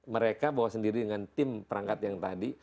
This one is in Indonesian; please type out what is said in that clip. mereka bawa sendiri dengan tim perangkat yang tadi